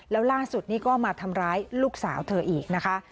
แล้วล่าสุดนี่ก็มาทำร้ายลูกสาวเธออีกนะคะ